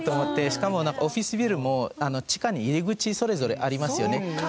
しかも、オフィスビルも地下に入り口、それぞれありますよね。